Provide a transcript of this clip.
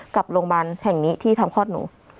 กับโรงพยาบาลแห่งนี้ที่ทำคลอดหนู